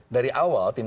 dari awal tim